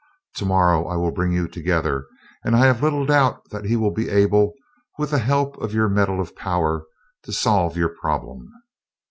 Tomorrow I will bring you together, and I have little doubt that he will be able, with the help of your metal of power, to solve your problem."